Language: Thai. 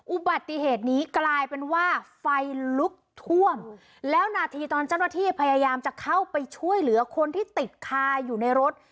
อุบัติเหตุนี้กลายเป็นว่าไฟลุกท่วมแล้วนาทีตอนเจ้าหน้าที่พยายามจะเข้าไปช่วยเหลือคนที่ติดคาอยู่ในรถ